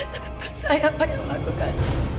tapi bukan saya pak yang melakukan